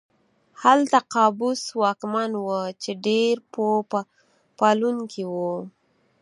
هلته قابوس واکمن و چې ډېر پوه پالونکی و.